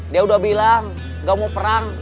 dia udah bilang gak mau perang